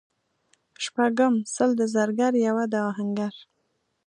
شپږم:سل د زرګر یوه د اهنګر